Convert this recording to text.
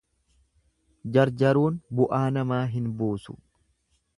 Jarjaruun bu'aa namaa hin buusu.